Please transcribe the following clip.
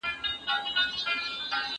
که سوله وي نو حال وي.